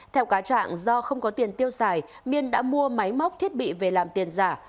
theo cá trạng do không có tiền tiêu xài miên đã mua máy móc thiết bị về làm tiền giả